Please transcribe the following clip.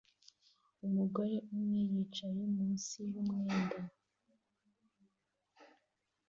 Umugore umwe yicaye munsi yumwenda